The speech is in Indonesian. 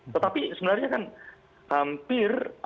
tetapi sebenarnya kan hampir